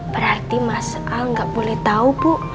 berarti mas al gak boleh tau bu